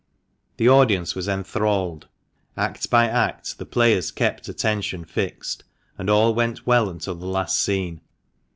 The audience was enthralled. Act by act the players kept attention fixed, and all went well until the last scene.